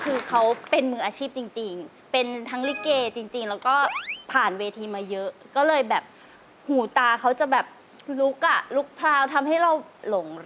คือเขาเป็นมืออาชีพจริงเป็นทั้งหลีกเกย์จริง